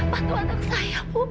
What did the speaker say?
bantu anak saya bu